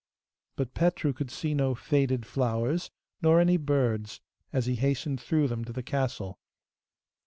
But Petru could see no faded flowers, nor any birds, as he hastened through them to the castle.